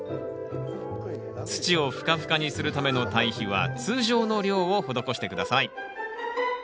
土をふかふかにするための堆肥は通常の量を施して下さい。